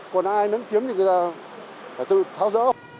còn ai nấm kiếm thì người ta phải tự thao dỡ